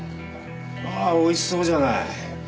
あおいしそうじゃない！